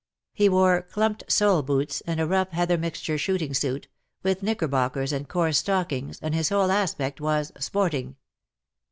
He wore clump soled boots and a rough heather mixture shooting suit, with knicker bockers and coarse stockings, and his whole aspect was " sporting.''